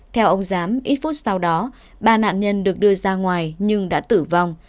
theo ông giám ít phút sau đó ba nạn nhân được đưa ra ngoài nhưng đã tử vong